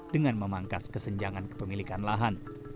dengan memangkas kesenjangan kepemilikan lahan